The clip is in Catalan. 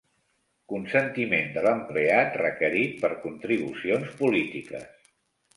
Consentiment de l'empleat requerit per contribucions polítiques.